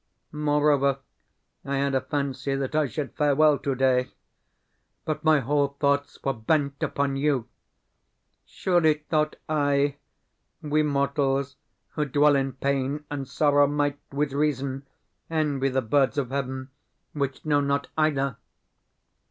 Moreover, I had a fancy that I should fare well today. But my whole thoughts were bent upon you. "Surely," thought I, "we mortals who dwell in pain and sorrow might with reason envy the birds of heaven which know not either!"